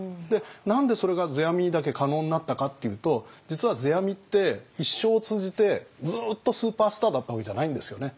何でそれが世阿弥にだけ可能になったかっていうと実は世阿弥って一生を通じてずっとスーパースターだったわけじゃないんですよね。